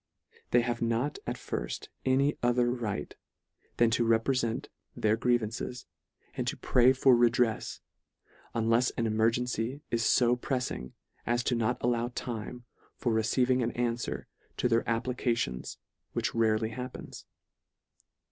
They have not at firft any other right, than to reprefent their grievances, and to pray for redrefs, unlefs an emergency is fo preffing, as not to allow time for receiv ing an anfwer to their applications which rarely happens.